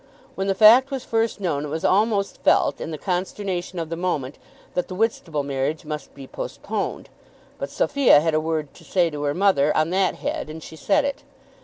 When the fact was first known it was almost felt, in the consternation of the moment, that the Whitstable marriage must be postponed. But Sophia had a word to say to her mother on that head, and she said it.